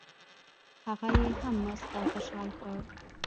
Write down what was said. هغه یې هم مسک او خوشال کړ.